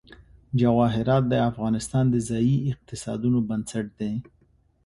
جواهرات د افغانستان د ځایي اقتصادونو بنسټ دی.